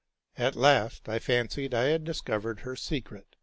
At last I fancied I had discovered her secret.